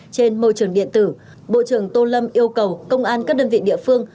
trên môi trường điện tử bộ trưởng tô lâm yêu cầu công an các đơn vị địa phương